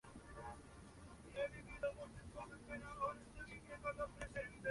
Durante la Dinastía Goryeo, la práctica fue abolida.